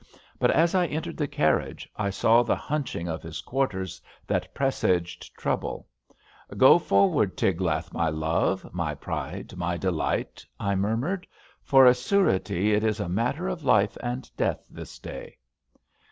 But as I entered the carriage I saw the hunching of his quarters that presaged trouble. Go forward, Tiglath, my love, my pride, my delight, '* I mur mured. For a surety it is a matter of life and death this day.''